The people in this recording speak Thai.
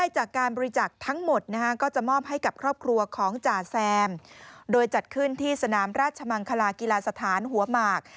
จัดขึ้นที่สนามราชมังคลากีฬาสถานหัวหมาก